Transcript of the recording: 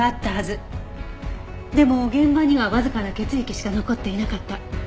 でも現場にはわずかな血液しか残っていなかった。